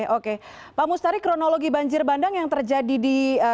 oke pak mustari kronologi banjir bandang yang terjadi di